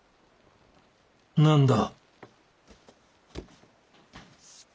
何だ？